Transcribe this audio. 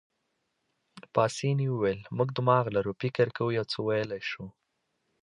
پاسیني وویل: موږ دماغ لرو، فکر کوو، یو څه ویلای شو.